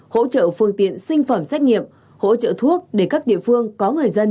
hỗ trợ phương tiện sinh phẩm xét nghiệm hỗ trợ thuốc để các địa phương có người dân